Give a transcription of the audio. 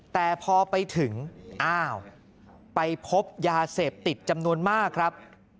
แต่พอไปถึงอ้าวไปพบยาเสพติดจำนวนมากครับ